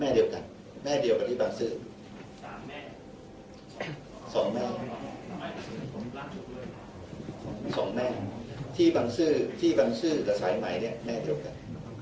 แม่เดียวกันแม่เดียวกันที่บางซื่อสองแม่ที่บางซื่อแต่สายไหมเนี่ยแม่เดียวกัน